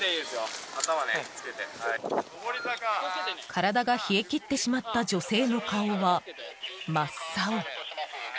体が冷え切ってしまった女性の顔は真っ青。